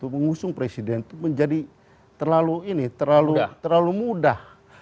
mengusung presiden itu menjadi terlalu mudah